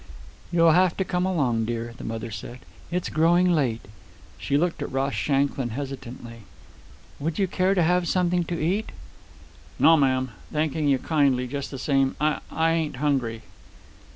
"You'll have to come along, dear," the mother said. "It's growing late." She looked at Ross Shanklin hesitantly. "Would you care to have something to eat?" "No, ma'am, thanking you kindly just the same. I ... I ain't hungry."